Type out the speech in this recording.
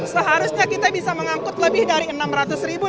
seharusnya kita bisa mengangkut lebih dari enam ratus ribu